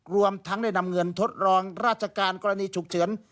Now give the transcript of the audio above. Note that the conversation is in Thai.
รวมทั้งได้นำเงินทดลองราชการกรณีฉุกเฉิน